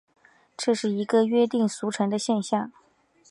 这是一个约定俗成的现像。